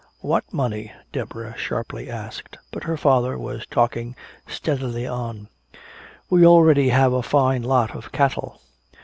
"What money?" Deborah sharply asked. But her father was talking steadily on: "We already have a fine lot of cattle.